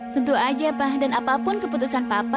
tentu saja pa dan apapun keputusan papa